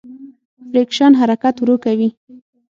فریکشن حرکت ورو کوي.